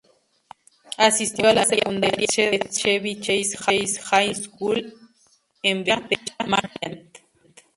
Asistió a la secundaria Bethesda-Chevy Chase High School, en Bethesda, Maryland.